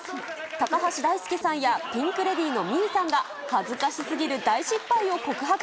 高橋大輔さんや、ピンク・レディーの未唯さんが、恥ずかしすぎる大失敗を告白。